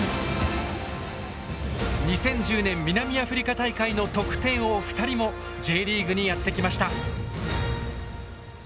２０１０年南アフリカ大会の得点王２人もＪリーグにやって来ました。